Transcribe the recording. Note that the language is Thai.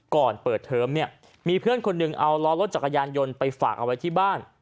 ก่อนเปิดเทอมเนี่ยมีเพื่อนคนหนึ่งเอาล้อรถจักรยานยนต์ไปฝากเอาไว้ที่บ้าน